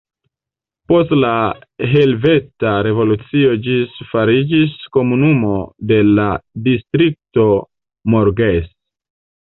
Post la Helveta Revolucio ĝis fariĝis komunumo de la Distrikto Morges.